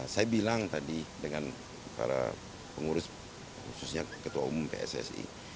saya bilang tadi dengan para pengurus khususnya ketua umum pssi